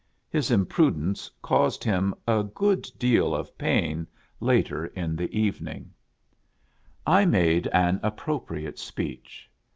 His imprudence caus ed him a good deal of pain later in the evening. AFTER THE WEDDING. 25 I made an appropriate speech.